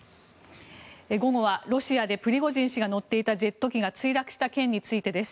午後はロシアでプリゴジン氏が乗っていたジェット機が墜落した件についてです。